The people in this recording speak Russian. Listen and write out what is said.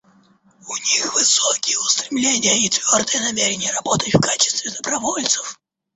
У них высокие устремления и твердое намерение работать в качестве добровольцев.